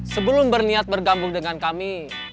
sebelum berniat bergabung dengan kami